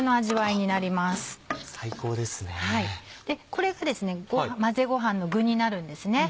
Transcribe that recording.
これが混ぜごはんの具になるんですね。